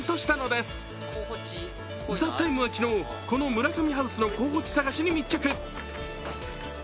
「ＴＨＥＴＩＭＥ，」は昨日、この村上ハウスの候補地探しに密着。